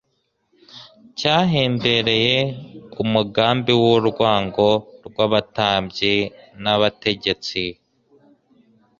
cyahembereye umugambi w’urwango rw’abatambyi n’abategetsi.